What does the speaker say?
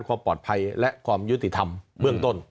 ความปลอดภัยและความยุติธรรมเบื้องต้น